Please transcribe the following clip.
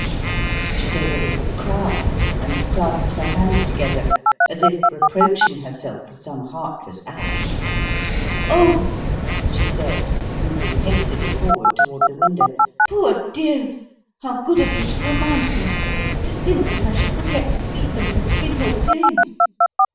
She gave a little cry, and clasped her hands together, as if reproaching herself for some heartless act. "Oh!" she said, moving hastily forward toward the window. "Poor dears! How good of you to remind me. To think that I should forget to feed them for three whole days.